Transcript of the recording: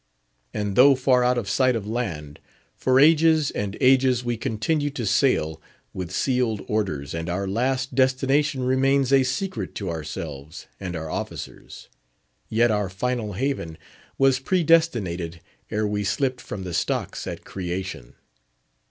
And though far out of sight of land, for ages and ages we continue to sail with sealed orders, and our last destination remains a secret to ourselves and our officers; yet our final haven was predestinated ere we slipped from the stocks at Creation.